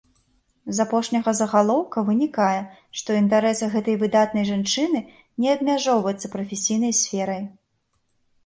З апошняга загалоўка вынікае, што інтарэсы гэтай выдатнай жанчыны не абмяжоўваюцца прафесійнай сферай.